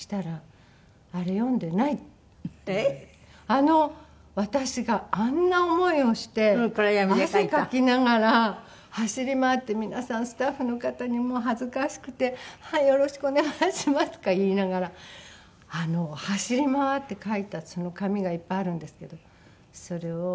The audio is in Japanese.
あの私があんな思いをして汗かきながら走り回って皆さんスタッフの方にもう恥ずかしくて「よろしくお願いします」とか言いながら走り回って書いたその紙がいっぱいあるんですけどそれを「読んでない」って言われて